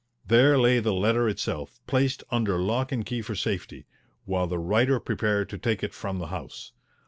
There lay the letter itself, placed under lock and key for safety, while the writer prepared to take it from the house.